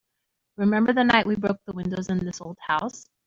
Remember the night we broke the windows in this old house?